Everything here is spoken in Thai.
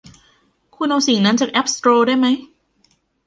คุณเอาสิ่งนั้นจากแอพสโตร์ได้มั้ย